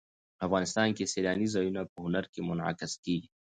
افغانستان کې سیلاني ځایونه په هنر کې منعکس کېږي.